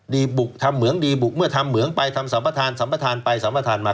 ดีบุกทำเหมืองดีบุกเมื่อทำเหมืองไปทำสัมภาษณ์สัมภาษณ์ไปสัมภาษณ์มา